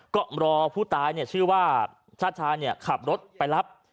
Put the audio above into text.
ก็รอผู้ตายชื่อว่าชาติชายขับรถไปรับ